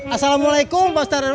assalamualaikum pak ustadz rw